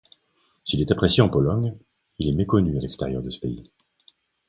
S'il est apprécié en Pologne, il est méconnu à l'extérieur de ce pays.